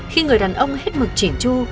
khi người đàn ông hết mực chỉn chu